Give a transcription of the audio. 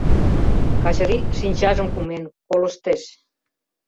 Качырий шинчажым кумен, колыштеш.